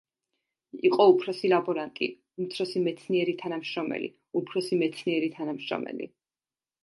იყო უფროსი ლაბორანტი, უმცროსი მეცნიერი თანამშრომელი, უფროსი მეცნიერი თანამშრომელი.